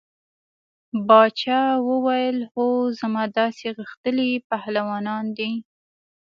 باچا وویل هو زما داسې غښتلي پهلوانان دي.